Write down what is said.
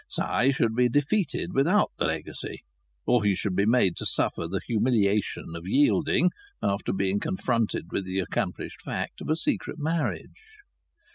Si should be defeated without the legacy, or he should be made to suffer the humiliation of yielding after being confronted with the accomplished fact of a secret marriage.